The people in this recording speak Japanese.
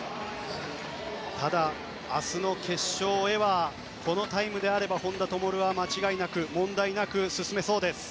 ただ、明日の決勝へはこのタイムであれば本多灯は間違いなく問題なく進めそうです。